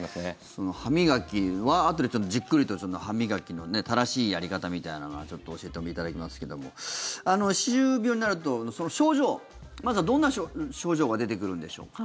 その歯磨きはあとでじっくりと歯磨きの正しいやり方みたいなのは教えていただきますけども歯周病になると、症状まずはどんな症状が出てくるんでしょうか。